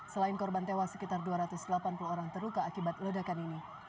selain korban tewas sekitar dua ratus delapan puluh orang terluka akibat ledakan ini